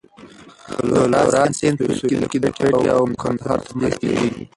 د لورا سیند په سوېل کې د کویټې او کندهار ترمنځ تېرېږي.